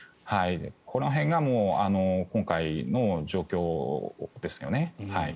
この辺が今回の状況ですよね。